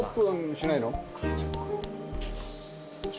しないの？